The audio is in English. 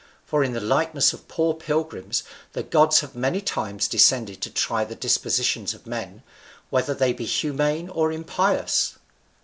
for in the likeness of poor pilgrims the gods have many times descended to try the dispositions of men, whether they be humane or impious."